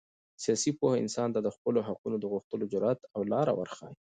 سیاسي پوهه انسان ته د خپلو حقونو د غوښتلو جرات او لاره ورښیي.